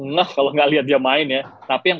ngeh kalau nggak lihat dia main ya tapi yang